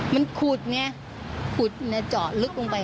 มันขุดไงขุดเจาะลึกลงไป